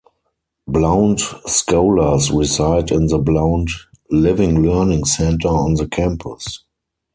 Blount Scholars reside in the Blount Living Learning Center on the campus.